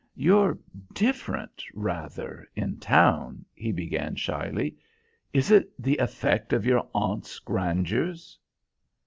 "You're different, rather, in town," he began shyly. "Is it the effect of your aunt's grandeurs?"